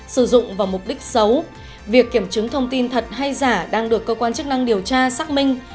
sử dụng vào mục đích xấu việc kiểm chứng thông tin thật hay giả đang được cơ quan chức năng điều tra xác minh